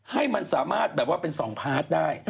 ให้มันสามารถแบบว่าเป็น๒พาร์ทได้